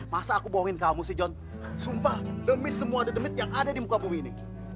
masa aku bohongin kamu sih jon sumpah demi semua dedemit yang ada di muka bumi ini